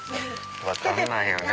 分かんないよね。